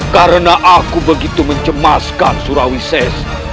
karena aku begitu mencemaskan surawis